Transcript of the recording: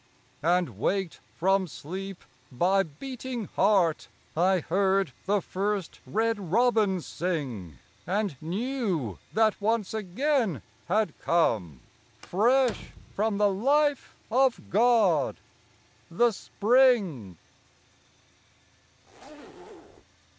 And waked from sleep by beating heart, I heard the first red robin sing, And knew that once again had come Fresh from the life of God the spring.